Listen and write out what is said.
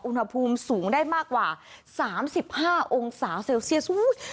อุณหภูมิสูงได้มากกว่า๓๕องศาเซลเซียส